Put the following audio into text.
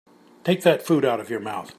Take that food out of your mouth.